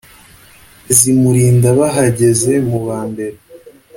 zimulinda bahageze mu bambere